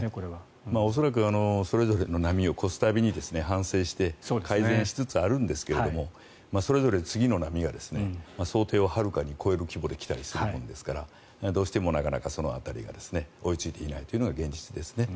恐らくそれぞれの波を越す度に反省して改善しつつあるんですけれどそれぞれ次の波が想定をはるかに超える規模で来たりするものですからどうしてもなかなかその辺りが追いついていないというのが現実ですね。